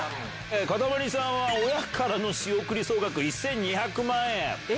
かたまりさんは親からの仕送り総額１２００万円。